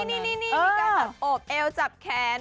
อันนี้มีการจับโอบเอลจับแขน